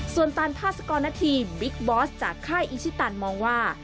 ส่วนตันพาสกรณฑีบิ๊กบอสจากค่ายอิชิตันมองว่า